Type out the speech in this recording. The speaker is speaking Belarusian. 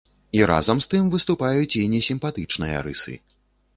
І разам з тым выступаюць і несімпатычныя рысы.